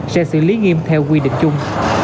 sẽ xử lý nghiêm theo quy định chung